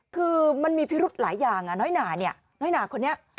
คือมันมีพิรุธหลายอย่างน้อยหนาเนี่ยน้อยหนาคนนี้